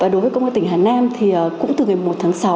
đối với công an tỉnh hà nam thì cũng từ ngày một tháng sáu